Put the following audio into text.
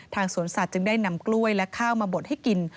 สวนสัตว์จึงได้นำกล้วยและข้าวมาบดให้กิน